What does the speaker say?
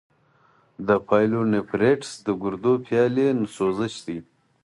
د پايلونیفریټس د ګردو پیالې سوزش دی.